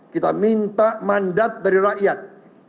kita minta mandat dari rakyat